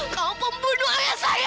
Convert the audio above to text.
kau pembunuh ayah saya